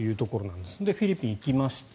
で、フィリピンに行きました。